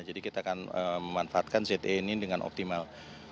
jadi kita akan memanfaatkan zee ini dengan optimal